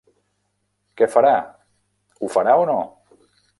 Què farà? ho farà o no?